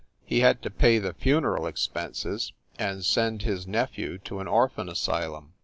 He had to pay the funeral expenses and send his nephew to an orphan asylum.